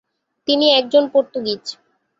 তিনি একজন পর্তুগীজ।